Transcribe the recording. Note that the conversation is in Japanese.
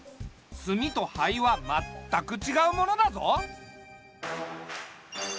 炭と灰は全くちがうものだぞ。